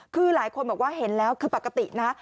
คือหลายคนเห็นแล้วคือปกตินะ